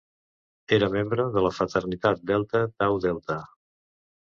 Era membre de la fraternitat Delta Tau Delta.